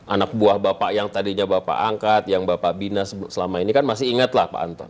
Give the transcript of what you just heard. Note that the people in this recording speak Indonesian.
anak buah bapak yang tadinya bapak angkat yang bapak bina selama ini kan masih ingatlah pak anton